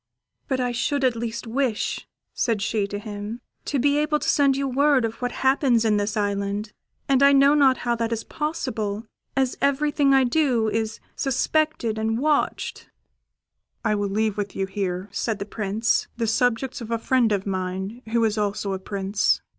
] "But I should at least wish," said she to him, "to be able to send you word of what happens in this island, and I know not how that is possible, as everything I do is suspected and watched." "I will leave with you here," said the Prince, "the subjects of a friend of mine, who is also a prince.